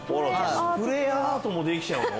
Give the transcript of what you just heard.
スプレーアートもできちゃうの？